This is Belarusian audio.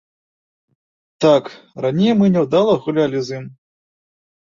Так, раней мы няўдала гулялі з ім.